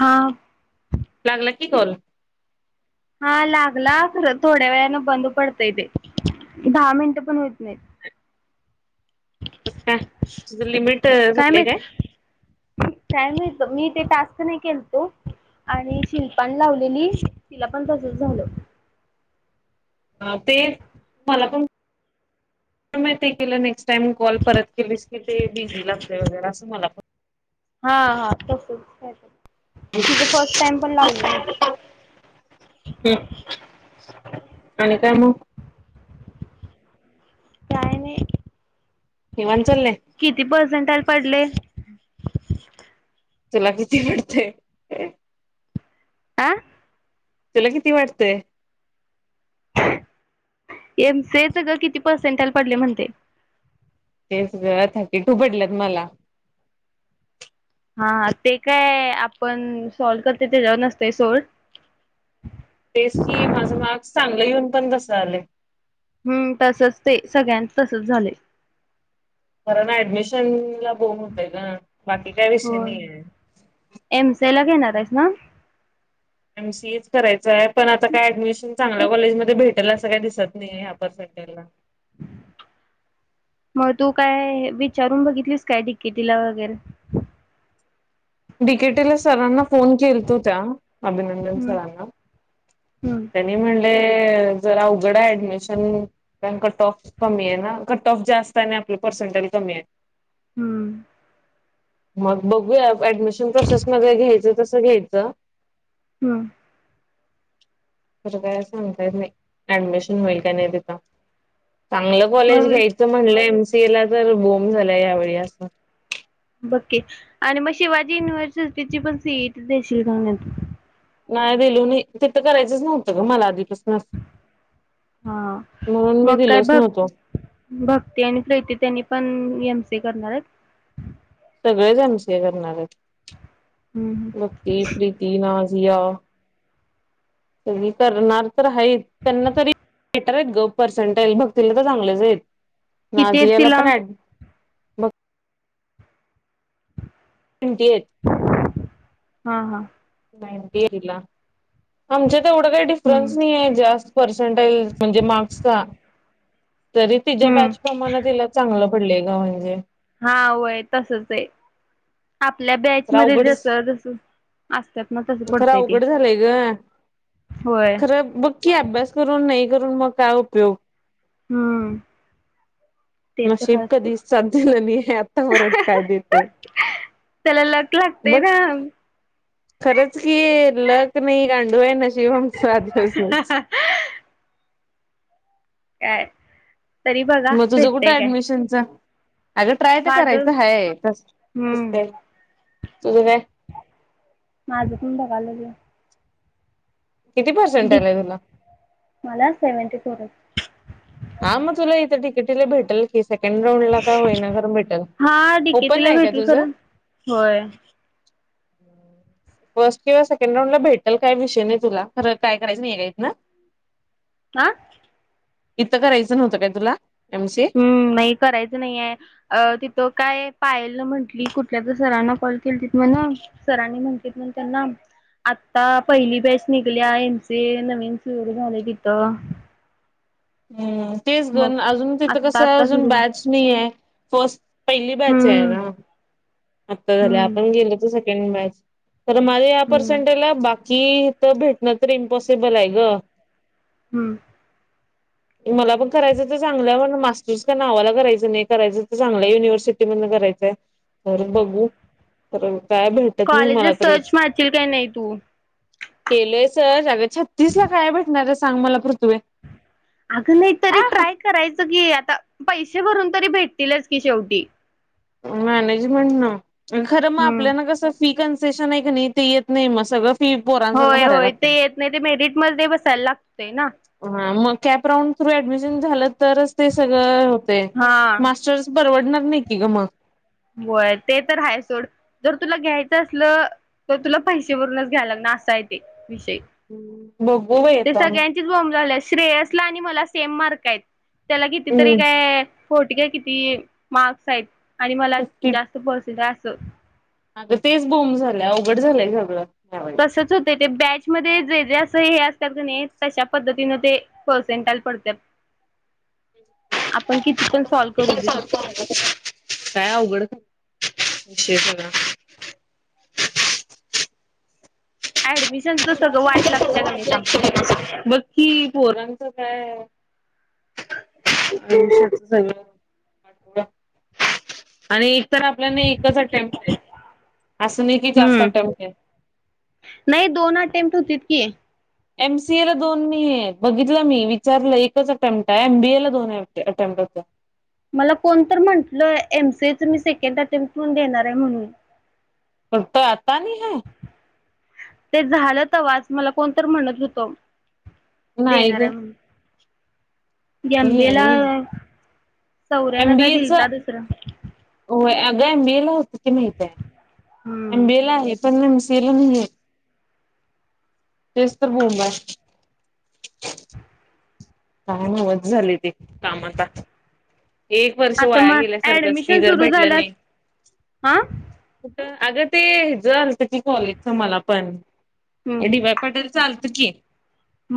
हा. लागला की कल. हा लागला खरं थोड्या वेळनें बंद पडतय ते दहा मिनटं पण होत नाहीत. काय तुझं लिमिट झागलंय काय? कायम मी ते टास्क नाही केलतो. आणि शिल्पान लावलेली तिला पण त्यासंच झालं. अ ते मला पण म ते केलं नेक्स्ट ा कॉलत केली की ते बिझी लागते वगैरे अस म हा हा तसच तिचं फर्स्ट टाइम पण लावलं नव्हतं. हम् आणि काय मग प्रायने हिवानचचाले किती पर्सेंटाज पडले. चला किती पडते. आं. तुला किती वाटतंय? एम सी स ग किती पर्सेंटाला पडले म्हणते. तेचंथ किटू पडल्यात मला हा हा ते काय आपण सोल्व करते त्याच्यावर नसतंय सोल् तेच की माझं मार्क्स चांगलं येऊन पण कसं आलं. हम्म तसच ते सगळ्यां तसच झाले. खर ना ऍडमिशन ला बोम होतंय गं, बाकी काय विषय नाही आहे. एम सी ए ला घेणारेस ना. एम सी ए च करायचं आहे, पण आता काय ऍडमिशन चांगल्या कॉलेज मध्ये भेटेल असं काही दिसत नाहीपर सला मग तू काय विचारून बघितलीस काय ते किती ला वगैरे. बिकेटीला सरांना फोन केल तो त्या अभिनंदन हम्म सरांना हम्म म्हण ज अवघड ऍडमिशन पण कटऑफ कमी आहे ना कट ऑफ जास्त आहे आणि आपलं पर्सेंटेज कमी आहे. हम्म. मग बघूया ऍडमिशन प्रोसेस मग घ्यायचं तसं घ्यायच. हम्म. [unintelligible] तर काय सांगतायेत नाही ऍडमिशन होईल का नाहीता चांगलं. कॉलेज मग घ्यायचं म्हटलं एमसीए ला तर बोम झालंय यावेळी असं. बके आणि मग शिवाजी युनिव्हर्सिटीची पण सीट देशील का नाही तू. नाही दिल तिथं करायच नव्हतं ग मला आधी तस. हा म्हणून मी मग काय दिलोच भक् नव्हतो. भक्ती आणि प्रिती त्यांनी पण एम सी करणार आहेत. सगळेच एम सी ए करणार आहेत, हम्म हम्म भक्ती, प्रीती, नाझिया मी करणार तर आहे त्यांना तरी बेटर आहेत ग पर्सेंटेज बघतील तर चांगलेच आहेत. किती आहेत तिला नाईंटी ट्वेंी एट [unintelligible] हा हा. नाटी ए ला आमच्या तर एवढं काही हम्म डिफरन्स नाही आहे जास्त पेरसेन्टॅज म्हणजे मागचा जरी तिच्या हम्म बॅच प्रमाणे दिलं चांगला पडले ग म्हणजे हा व्हय तसच आहे. आपल्या बॅच मध्ये अवघडच जस जस असतात ना तसं पडत. खरं अवघड झालंय ग होय खरं बघ की अभ्यास करून नाही करून मग काय उपयोग हम्म. ते तर नशीब आहेच सोड कधी साथ दिलं नाही आहे आत्तापर्यंत काय देते. त्याला लक लागते बघ ना. खरंच की लक नाही गांडू आहे नशीब आमच आधीपासूनच काय तरी बघा मग तुझं कुठं भेटतेय काय ऍडमिशनच. अगं ट्राय तर माझं करायचं हम्म ह तुझ काय माझं पण बघालेली. किती पर्सेंट डी आलाय तुला. मला सेव्हंटी फोर. हा मग तुला इथं तिकेटीला भेटेल. सेकंड राऊंड ला काय होईनार [unintelligible] मिेटल हा ओपन डिकेटीला आहे का भेटेल तुझ. हम् खरं होय [unintelligible] फर्स्ट किंवा सेकंड राऊंड ला भेटल काय विषय नाही तुला खर कायरायचं [unintelligible] नाही कात ना [inaudible] हा. इतं का करायचं नव्हतं काय तुला एम सी ए. हम्म नाही करायच नाही आहे. अ तिथं काय पायल ना म्हंटली कुठल्या तर सरांना कॉल केली तिथ म सरांनी म्हणतीत मग त्यांना आता पहिली बॅच निघल्या एचे [unintelligible] नवीन सुरु झाले तिथं. हम्म तेच मग गण अजून तिथं आत्ता कसं आत्ता अजून सुरू बॅच. नाही आहे फस्ट पहिली बॅच आहे हम्म ना? हम्म आपण गेलो तर सेंकड बॅच माझं या पर हम्म सेंटला कि तर भेटणं तर इम्पॉसिबल आहे ग? हम्म. [inaudible] मला पण करायचं तर चांगलं पण मास्टर्स का नावाला करायचं नाही करायचं तर चांगल्या युनिव्हर्सिटी म्ह करायचय तर बघू तर काय भेट? कॉलेजस सर्च मारशील काय नाही तू? केलोय सर अगं छत्तीस ला काय भेटणार सांग मला पुथ्वे अगं नाही तरी ट्राय करायचं की आता पैसे भरून तरी भेटतीलच की शेवटी मॅनेजमेंट ना खरं मग हम्म आपल्याला कसं फी कन्सेशन आहे क नाही ते येत नाही मग सगळं फी पोरांसारखं होय भरायला होय ते लागत्या. येत नाही ते मेरिट मध्ये बसायला लागते ना? हा मग कॅपराऊंड थ्रू ऍडमिशन झालं तरच ते सगळं होतय हा मास्टर्स परवडणा नाही की ग मग? होय ते तर हाय सोड जर तुला घ्यायचं असल? तर तुला पैसे भरूनच घ्याला लागनार असा आहे ते विषय? बघू बाय येता. [unintelligible] श्रेयसला आणि मला सेम मार्क आहेत त्याला कितीतरी काय? कोटी का किती मार्क्स आहेत आणि मला हो कीे [unintelligible] अग तेच बोंब झाल्या अवघड झालंय सगळं. च होत ते बॅचमध्ये जे जे असं हे असतात क नाही तशा पद्धतीन ते पर्सटल पडत्यात. आ किती पण सॉल्व करू क दे सांगतो? काय अवघड ख विशयणा? ऍडमिशनचं सगळं वाट लागत्या कणे सांग- बक्की पोरांच काय आहे? ग आणि तर आपल्याने एकच अटेम्प्ट आहे असून की जास्त हम्म अटेम्प्ट आहे? नाही दोन अटेम्प्ट होती की? एमसीए ला दोन मी आहे बघितलं मी विचारलं एकच अटेमप्ट आहे एमबीए ला दोन वाटत अटेमप्ट. मला कोणत तर म्हंटलं एमसीएच मी सेकंड अटेम्प्ट म्हून देणार आहे म्हणून? पत आता नाही आय? ते झालंतवाज मला कोणत म्हणत होतं? नाही देणार ग आहे म्हणून एम नाही बी आहे एला नाही आहे सौर्यान काय दिलता दुसरं हो अग एमबीएला ला होत की माहित आहे हम्म एमबीएला आहे एमसीएला नाही आहे तेच तर बोंब आहे काय नव्हच झालय काम आता. एक वर्ष आता वाया मग गेल्यासारखंच कि ऍडमिशन जर सुरू भेटलं झाल्यास नाही? हा अगं ते हे ज आलत की कॉलेजच मला पण हम्म पटरी आलत की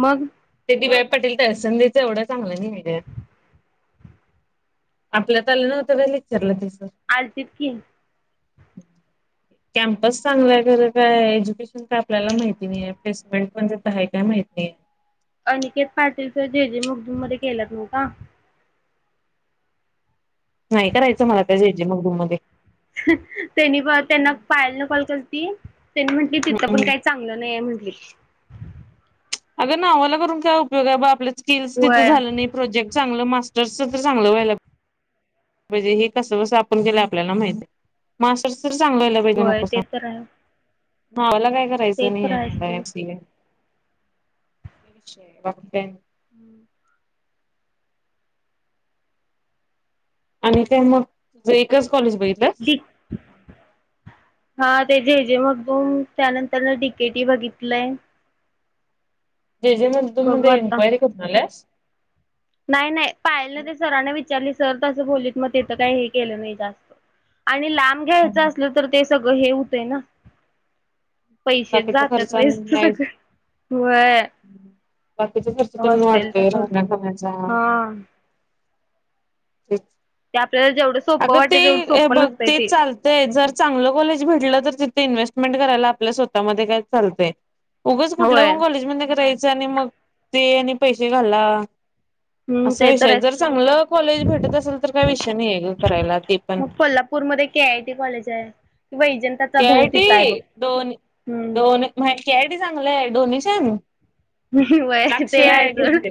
मग ते बा पटे. त्या संधीच एवढा चांगलं नाही्या आपल्यात आलं नव्हतं. सगळं तसं. आलतीत की कॅम्पस चांगला आहे खरं काय एज्युकेशन काय आपल्याला माहिती नाही आहे प्लेसमेंट म्हणय काय माहिती नाही आहे. अनिकेत पाटील तर जेजेमुगडूम मध्ये ग केलात म का. नाही करायचं मला त्या जे जे मगदूम रूम मध्ये. त्यांनी त्यांना पायल न कॉल करती त्यांनी म्हंटली तिथं पण काय? चांगलं नाहीे म्हंटली. अगं ना आम्हाला करून काय उपयोग आहे ब आपल्या स्किल्स तिथे होय झालं नाही. प्रोजेक्ट चांगलं मास्टर्सच तर चांगलं व्हायला. म्हणजे हे कसं कसं आपण केलं आपल्याला माहिती मास्र सर चांगलं होय ते तर आहे. ह मला काय ते करायचं नाही तर आहे आहेच मला एम सोड सि ल विषय हम्म आणि त्या मग तुझ एकच कॉलेज बघितलं. जी. हा ते झेजे मग त त्यानंतर न टिकेटी बघितलंय. जे जे म तु बघू आता इनक्वायरी करतलास. नाही नाही पाहिलं ना ते सराने विचारली सर तसं बोललीत मग तिथं काही हे केलं नाही जास्त आणि लांब घ्यायचं असलं तर ते सगळं हे होतय ना. पैसेच बाकीचा जातात खर्च आणि वेस्त नाहीच सगळं वय. बाकीचा खर्च पण वाटतोय खर्च राहना कमाचा. हा [inaudible] ते आपल्याला जेवढं. सोपं अगं वाटेल तेवढं ते सोपं बघ नसतंय तेच चालत. ते जर चांगलं कॉलेज भेटलं तर तिथे इन्व्हेस्टमेंट करायला आपल्या स्वतःमध्ये काय लंय उगंच कुठल्या होय. पण कॉलेज ममध्ये करायचं आणि मग ते आणि पैसे घाला. हम्म असा ते विषय तर आहे जर चांगलं कॉलेज भेटत असेल तर काय विषय नाही आहे ग. करायला ते पण. मग कोल्हापूरमध्येध्ये के आय टी कॉलेज आहे. किंवा इजंतााचा के आय भाऊ तिथय बघ हम्म. माहिती आहे चांगलंय डोनेशन. मी वय लाख ते शिवाय आहेच. घेतले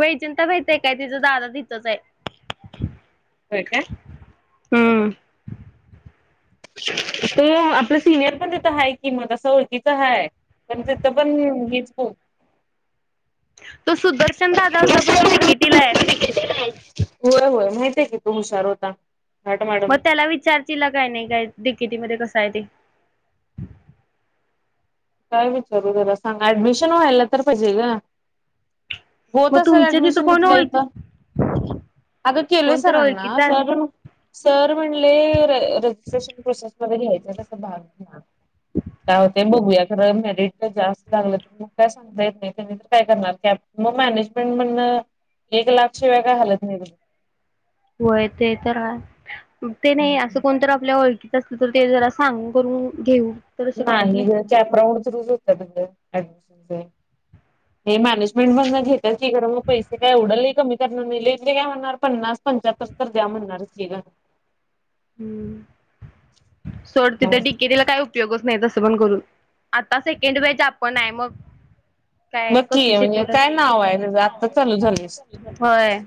वेचन तर भेचय काय तिचा दादा तथच आहे. होय का. हम्म. त आपलं सिनियर पणती तर आहे कि मत असं ओळखीच आहे. पण तिथ पण घचो. तो सुदर्शन दादा होता प तो तिकेटीला आहे. होय होय माहतीय की तू हुशार होता. घाट मॅडम मग त्याला विचारतीलील काय नाही काय दिकितीमध्ये कसं आहे ते. काय विचारू जरा सांगा ऍडमिशन व्हायला तर पाहिजे का. मग होता सर तुमच्या तिथं ऍडमिशन कोण घेतलं ओळ इथं. अगं केलं कोणतर सरांना ओळखीच असेल. स. सर म्हणले रजिस्ट्रेशन प्रोसेस मध्ये घ्यायचं तस भाग ते बघूया रम रट जास्त लागलं तर मग काय सांग नाही त्यां तर काय करणार कॅ मग मॅनेजमेंट म्हण एक लाखशे वेगय हालत नाही. होय ते तर ते नाही अस. कोणत आपल्या ओळखीत असल तर ते जरा सांग करून घेऊ. तर शकतात नाही ना. ॅपराऊंडरुच होत त ऍडमिशन. हे मॅनेजमेंट म्हण घेतात की घर मग पैसे काय एवढं लही कमी करणार नाही काय म्हणणार पन्नास पंचततर द्या म्हणणार स ग हम्म सोड मग तिथं डिके तिला काय ोग नाही तसं पण करून आता सेकंड वज आपण आहे मग काय कसं नकी म्हणजे काय नाव आहे त्या आत्ता चालू शिकवतात. झाले होय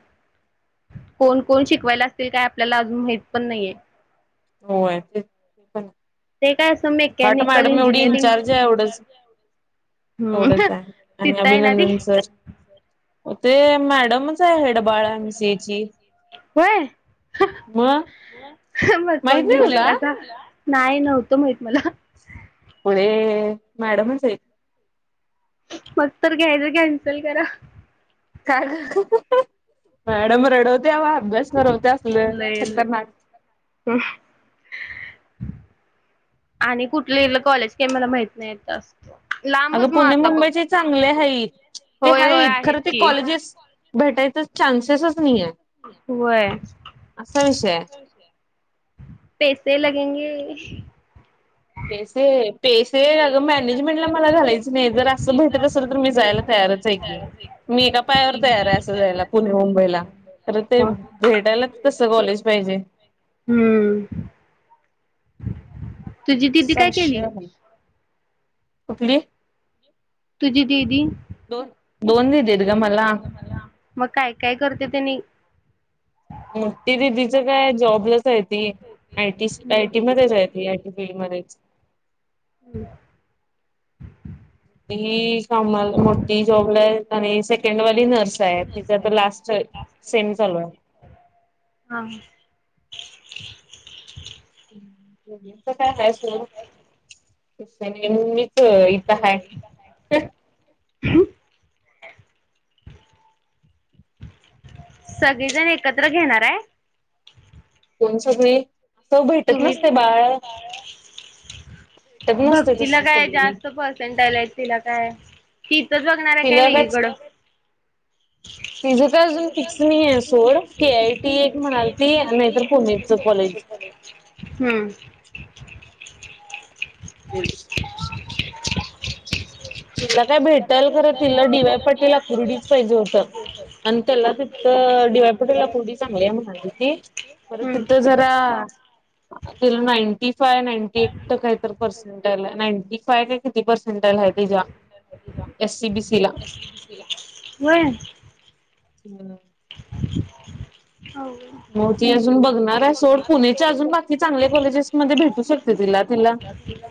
कोण कोण शिकवायला असतील काय आपल्याला अजून माहित पण नाहीये हो ते प ते काय असं बट मेकॅनिकल मॅडम एवढी इंजिनिअरिंग इंचार्ज आहे एवढंच हम्म एवढच आहे आणि तिथं आहे ना ती अभिनंदन सर ते मॅडम कस हेडबाळसेची होय मग मग माहित कोण नाही घेऊ तुला? नका अस नाही नव्हतं माहित मला म्ह मॅडमणचई. मग तर घ्यायचं कॅन्सल करा. का का मॅडम रडवतेवा अभ्यास करवते असल खत हम आणि कुठले कॉलेज काही मला माहित नाही तस अगं पुणे मुंबईचे चांगले आहेत ते होय ह होय आहेत खरं ते की कॉलेजेस भेटायचा चान्सेसच नाही आहे हो आहे असं विषय [inaudible] पैसे लगेगे पसे प ते अ गं मॅनेजमेंटला मला घालायचं नाही जर असं भेटत असेल तर मी जायला तयारच आहे की मी एका पायावर तयार आहे असं जायला पुणे मुंबईला अर ते भेटायलाच तस कॉलेज पाहिजे हम्म तुझी दिीदी असा काय केली उठली तुझी दिदी दोन दोन नाही देत ग मला मग काय काय करते त्यांनी मो दिदीचं काय जॉबला त आयी आयटी मध्येच आहे ती आयटी फीलड मध्येच हो कामाला मोठी जॉबला आहे आणि सेकंड वाली नर्स आहे तिचा तर लास्ट सेम चालू आहे हा च काय आहे सड मी स इता ह सगळेजण एकत्र घेणार आहे कोणचच नाही असं भेटत नसते बाळ तुम्ही भेटत नसते तस भक्तीला काय सगळी जास्त पर्सेंट आलाय तिला काय तथच बघणार आहे काय वेगळीकडं हम् तिझं काय अजून फिक्स नाही आहे सोड के आय टी एक म्हणाल ती नाहीतर पुणेच कॉलेज हुं ह [unintelligible] तिला काय भेटल खरं तिला डी वाय पाटील अकुरडीच पाहिजे होतं आणि त्याला तिथं डी वाय पाटीलला पुडी चांगली आहे म्हणाली ती पर हम्म तिथ झा तिला नाईन्टी फाय नाईन्टी एट का कायतर पर्सेंट आल्या नाईन्टी फाय का किती पर्सेंटेल आहे त्याच्या एस सीबीसी ला व्हय [unintelligible] [unintelligible] मग ती अजून बघणार आहे सोड पुण्याच्या अजून बाकी चांगले कॉलेजेस मध्ये भेटू शकतय तिला तिला तिला